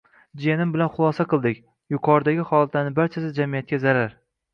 Jiyanim bilan xulosa qildik – yuqoridagi holatlar barchasi jamiyatga zarar: